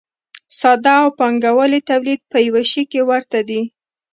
ساده او پانګوالي تولید په یوه شي کې ورته دي.